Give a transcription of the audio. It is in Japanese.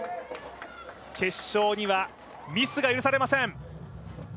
決勝にはミスが許されません。